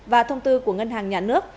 và thông tư của ngân hàng nhán nước